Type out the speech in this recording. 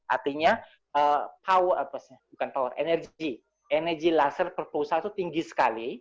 artinya energy laser pulsa itu tinggi sekali